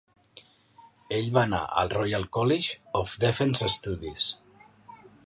Ell va anar al Royal College of Defence Studies.